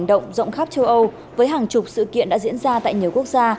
động rộng khắp châu âu với hàng chục sự kiện đã diễn ra tại nhiều quốc gia